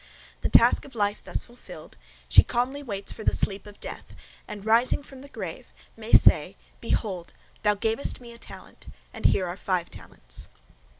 The task of life thus fulfilled, she calmly waits for the sleep of death, and rising from the grave may say, behold, thou gavest me a talent, and here are five talents.